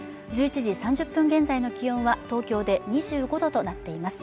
１１時３０分現在の気温は東京で２５度となっています